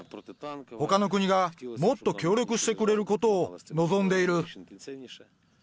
ほかの国がもっと協力してくれることを望んでいる。